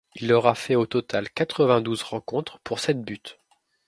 Il aura fait au total quatre-vingt-douze rencontres pour sept buts.